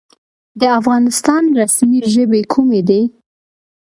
د افغانستان رسمي ژبې کومې دي؟